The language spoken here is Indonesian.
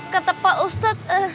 kata pak ustad